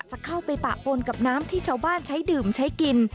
จะเข้าไปปะปนกับน้ำที่ชาวบ้านใช้ดื่มใช้กิน